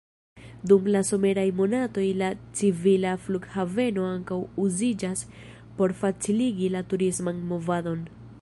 Dum la someraj monatoj la civila flughaveno ankaŭ uziĝas por faciligi la turisman movadon.